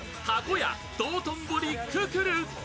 家道頓堀くくる。